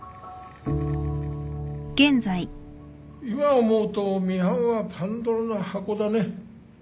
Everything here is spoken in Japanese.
今思うとミハンはパンドラの箱だね。